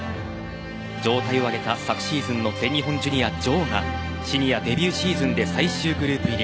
状態を上げた昨シーズンの全日本ジュニア女王がシニアデビューシーズンで最終グループ入り。